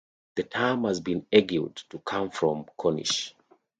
The term has been argued to come from Cornish.